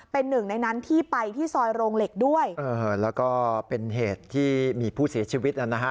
เป็นหนึ่งในนั้นที่ไปที่ซอยโรงเหล็กด้วยเออแล้วก็เป็นเหตุที่มีผู้เสียชีวิตแล้วนะฮะ